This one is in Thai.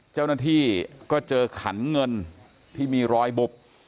เจ้าหน้าที่ก็เจอขันเงินที่มีรอยบุบ